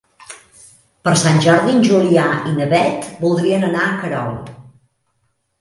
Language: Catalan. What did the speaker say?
Per Sant Jordi en Julià i na Beth voldrien anar a Querol.